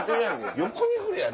横に振るやん！